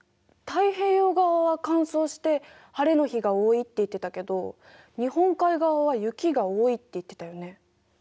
太平洋側は乾燥して晴れの日が多いって言ってたけど日本海側は雪が多いって言ってたよね。